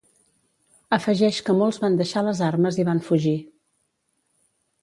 Afegeix que molts van deixar les armes i van fugir.